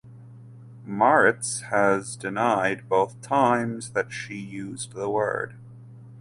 Maritz has denied both times that she used the word.